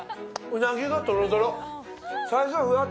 うなぎがとろとろ。